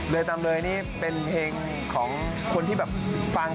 เลยตามเลยนี่เป็นเพลงของคนที่แบบฟัง